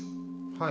はい。